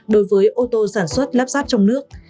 đối với ô tô sản xuất lắp ráp trong nước